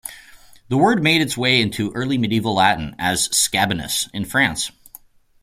The word made its way into early Medieval Latin as "scabinus" in France.